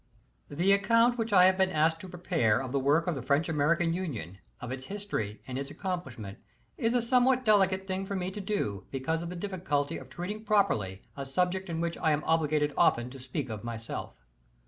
* The account which I have been asked to prepare of the work of the French American Union, of its history and its accomplishment, is a somewhat delicate thing for me to do, because of the difficulty of treating properly a subject in which I am obliged often to speak of myself.